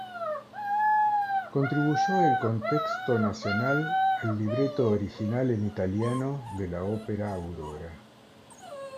Contribuyó el contexto nacional al libreto original en italiano de la ópera Aurora.